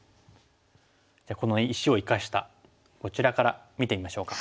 じゃあこの石を生かしたこちらから見てみましょうか。